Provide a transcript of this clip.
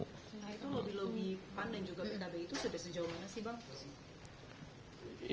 nah itu lebih lebih pan dan juga pnb itu sudah sejauh mana sih bang